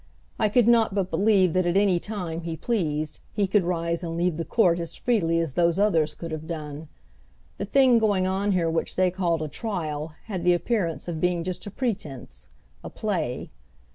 I could not but believe that at any time he pleased. he could rise and leave the court as freely as those others could have done. The thing going on here which they called a trial had the appearance of being just a pretense a play.